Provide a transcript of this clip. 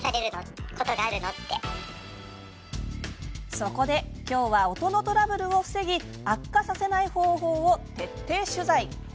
そこで、今日は音のトラブルを防ぎ悪化させない方法を徹底取材。